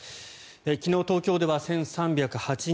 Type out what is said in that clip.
昨日、東京では１３０８人。